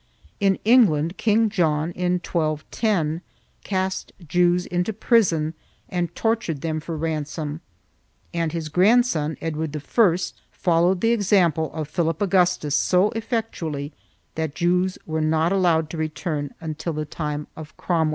In England King John, in 1210, cast Jews into prison and tortured them for ransom, and his grandson, Edward I, followed the example of Philip Augustus so effectually that Jews were not allowed to return until the time of Cromwell.